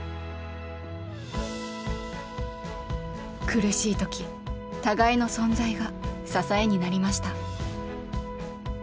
苦しい時互いの存在が支えになりました。